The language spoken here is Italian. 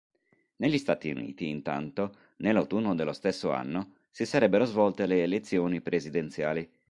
Negli Stati Uniti intanto nell'autunno dello stesso anno si sarebbero svolte le elezioni presidenziali.